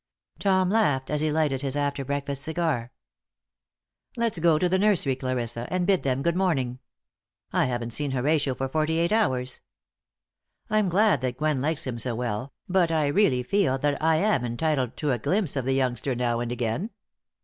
Tom laughed as he lighted his after breakfast cigar. "Let's go to the nursery, Clarissa, and bid them good morning. I haven't seen Horatio for forty eight hours. I'm glad that Gwen likes him so well, but I really feel that I am entitled to a glimpse of the youngster now and again."